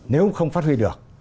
nếu không phát huy được